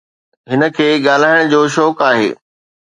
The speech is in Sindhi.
هن کي ڳالهائڻ جو شوق آهي.